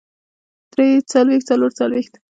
درې څلوېښت څلور څلوېښت